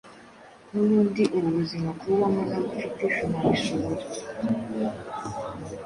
Nubundi ubu buzima kububamo ntagufitee sinabishobora